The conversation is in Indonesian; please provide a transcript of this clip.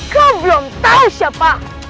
kau belum tahu siapa